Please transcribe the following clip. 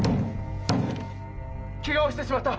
けがをしてしまった！